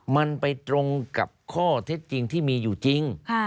มันไปตรงกับข้อเท็จจริงที่มีอยู่จริง